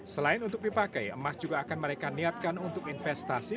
selain untuk dipakai emas juga akan mereka niatkan untuk investasi